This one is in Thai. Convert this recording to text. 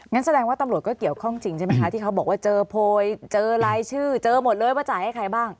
งั้นแสดงว่าตำรวจก็เกี่ยวข้องจริงใช่ไหมคะที่เขาบอกว่าเจอโพยเจอรายชื่อเจอหมดเลยว่าจ่ายให้ใครบ้าง